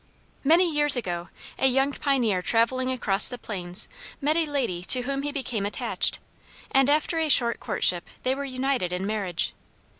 Many years ago a young pioneer traveling across the plains met a lady to whom he became attached, and after a short courtship they were united in marriage.